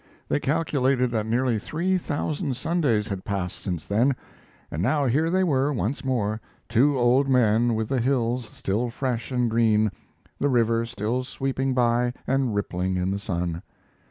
They calculated that nearly three thousand Sundays had passed since then, and now here they were once more, two old men with the hills still fresh and green, the river still sweeping by and rippling in the sun.